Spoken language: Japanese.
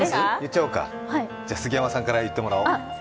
じゃあ杉山さんから言ってもらおう。